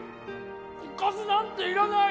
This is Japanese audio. おかずなんていらない